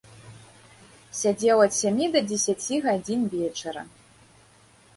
Сядзеў ад сямі да дзесяці гадзін вечара.